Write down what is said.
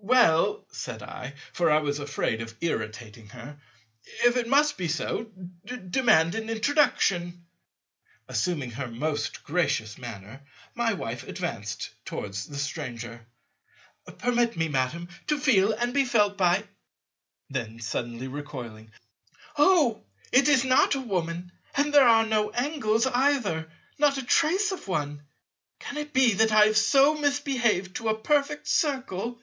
"Well," said I, for I was afraid of irritating her, "if it must be so, demand an introduction." Assuming her most gracious manner, my Wife advanced towards the Stranger, "Permit me, Madam to feel and be felt by—" then, suddenly recoiling, "Oh! it is not a Woman, and there are no angles either, not a trace of one. Can it be that I have so misbehaved to a perfect Circle?"